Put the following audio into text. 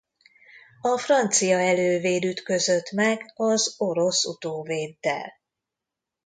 A francia elővéd ütközött meg az orosz utóvéddel.